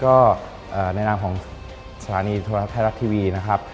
ก็แนะนำของสถานีธรรมทรัพย์ธรรมแรกทีวี